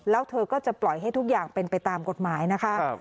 แล้วเธอก็จะปล่อยให้ทุกอย่างเป็นไปตามกฎหมายนะคะ